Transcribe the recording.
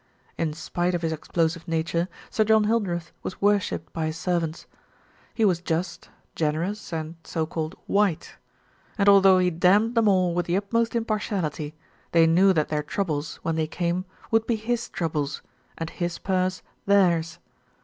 In spite of his explosive nature, Sir John Hildreth was worshipped by his servants. He was just, generous and "white," and although he damned them all with the utmost impartiality, they knew that their troubles, when they came, would be his troubles, and his purse theirs.